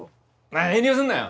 遠慮するなよ。